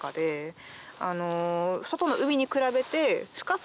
外の海に比べて。